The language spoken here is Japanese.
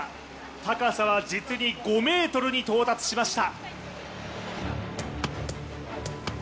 高さは実に５ｍに到達しました。